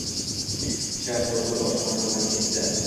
Shart burilib oshxona tomon ketdi.